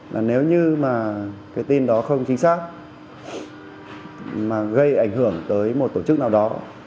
là nếu như mà cái tin đó không chính xác mà gây ảnh hưởng tới một tổ chức nào đó